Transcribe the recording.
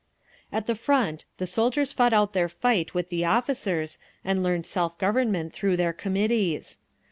At the Front the soldiers fought out their fight with the officers, and learned self government through their committees.